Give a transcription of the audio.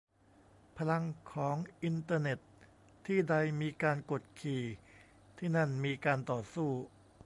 พลังของอินเตอร์เน็ต : ที่ใดมีการกดขี่ ที่นั่นมีการต่อสู้